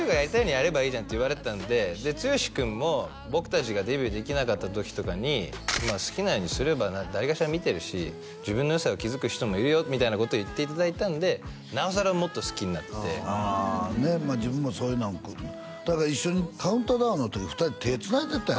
「やればいいじゃん」って言われてたので剛君も僕達がデビューできなかった時とかに好きなようにすれば誰かしら見てるし自分のよさを気づく人もいるよみたいなことを言っていただいたんでなおさらもっと好きになってあ自分もそういうただ一緒に「カウントダウン」の時２人手つないでたんやろ？